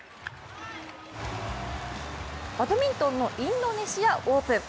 バドミントンのインドネシアオープン。